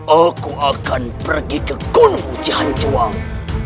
aku akan pergi ke gunung ucihan juang